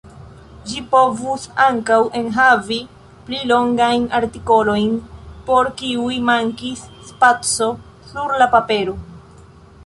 Ĝi povus ankaŭ enhavi pli longajn artikolojn, por kiuj mankis spaco sur la papero.